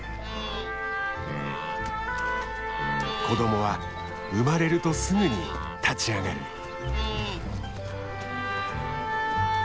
子どもは生まれるとすぐに立ち上がる。